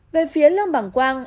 về phía lâm bảng quang